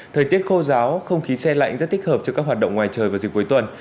thời tiết khô giáo không khí xe lạnh rất thích hợp cho các hoạt động ngoài trời vào dịp cuối tuần